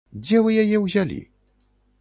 Дзе вы яе ўзялі?